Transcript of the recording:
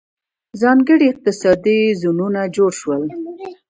ځانګړي اقتصادي زونونه جوړ شول.